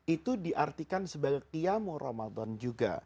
itu di artikan sebagai qiyamul ramadan juga